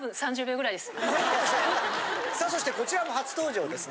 さあそしてこちらも初登場ですね。